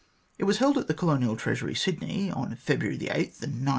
It was held at the Colonial Treasury, Sydney, on February 8 and 9, 1854.